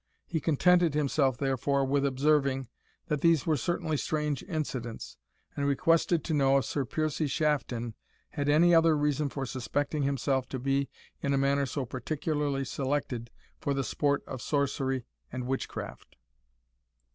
He contented himself, therefore, with observing, that these were certainly strange incidents, and requested to know if Sir Piercie Shafton had any other reason for suspecting himself to be in a manner so particularly selected for the sport of sorcery and witchcraft.